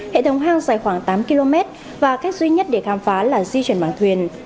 hệ thống hang dài khoảng tám km và cách duy nhất để khám phá là di chuyển bằng thuyền